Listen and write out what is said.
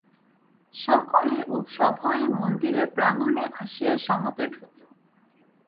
সকলে সভয়ে মন্দিরের প্রাঙ্গণে আসিয়া সমবেত হইল।